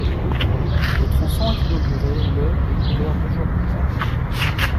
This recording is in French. Le tronçon est inauguré le et ouvert deux jours plus tard.